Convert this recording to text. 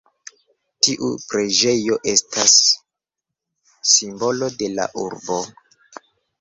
Tiu preĝejo estas simbolo de la urbo.